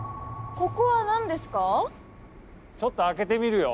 ちょっと開けてみるよ。